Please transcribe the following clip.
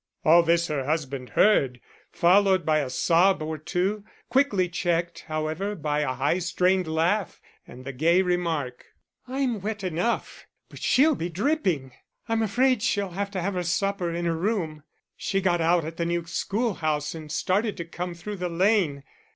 All this her husband heard, followed by a sob or two, quickly checked, however, by a high strained laugh and the gay remark: "I'm wet enough, but she'll be dripping. I'm afraid she'll have to have her supper in her room. She got out at the new schoolhouse and started to come through the lane.